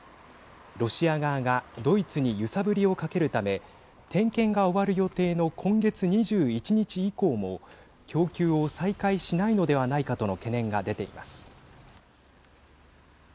ロシア側がドイツに揺さぶりをかけるため点検が終わる予定の今月２１日以降も供給を再開しないのではないかとの懸念が出ています。